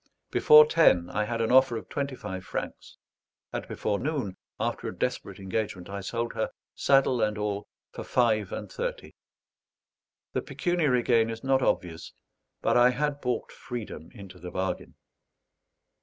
Before ten I had an offer of twenty five francs; and before noon, after a desperate engagement, I sold her, saddle and all, for five and thirty. The pecuniary gain is not obvious, but I had bought freedom into the bargain.